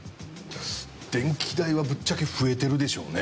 電気代はぶっちゃけ増えてるでしょうね。